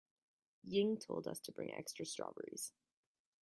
Ying told us to bring extra strawberries.